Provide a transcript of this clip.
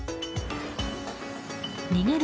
逃げる